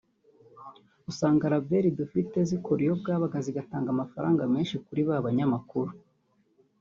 usanga labels dufite zikora iyo bwabaga zigatanga amafaranga menshi kuri ba banyamakuru